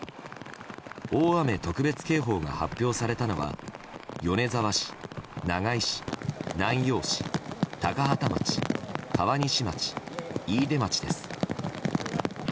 大雨特別警報が発表されたのは米沢市、長井市、南陽市高畠町、川西町、飯豊町です。